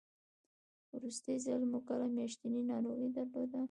وروستی ځل مو کله میاشتنۍ ناروغي درلوده؟